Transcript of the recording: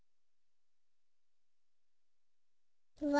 うわ。